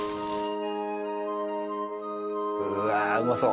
うわうまそう。